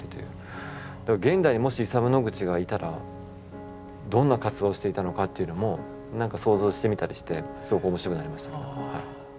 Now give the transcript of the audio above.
現代にもしイサム・ノグチがいたらどんな活動をしていたのかっていうのも何か想像してみたりしてすごく面白くなりましたはい。